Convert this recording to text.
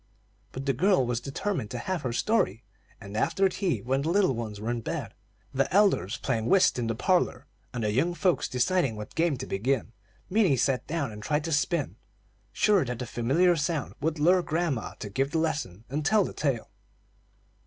But the girl was determined to have her story; and after tea, when the little ones were in bed, the elders playing whist in the parlor, and the young folks deciding what game to begin, Minnie sat down and tried to spin, sure that the familiar sound would lure grandma to give the lesson and tell the tale.